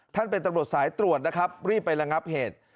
เป็นตำรวจสายตรวจนะครับรีบไประงับเหตุ